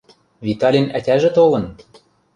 — Витӓлин ӓтяжӹ толын!